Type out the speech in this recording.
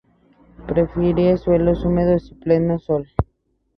Prefiere suelos húmedos y pleno sol.